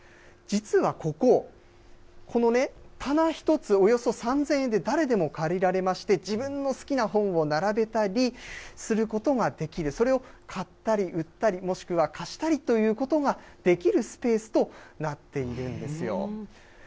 実はここ、この棚１つ、およそ３０００円で誰でも借りられまして、自分の好きな本を並べたりすることができる、それを買ったり売ったり、もしくは貸したりということができるスペースとなっているんですよ。